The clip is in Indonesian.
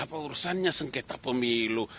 apa urusannya sengketa pemilu